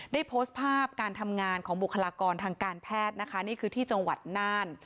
ได้โพสต์ภาพการทำงานของบุคลากรทางการแพทย์นะคะนี่คือที่จังหวัดน่าน